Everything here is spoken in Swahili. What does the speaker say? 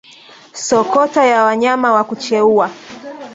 Sotoka ya wanyama wa kucheua